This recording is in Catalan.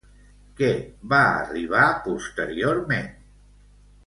Què va arribar posteriorment?